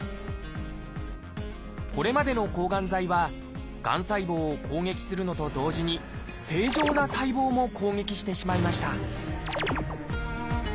これまでの抗がん剤はがん細胞を攻撃するのと同時に正常な細胞も攻撃してしまいました